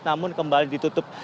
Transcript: namun kembali ditutup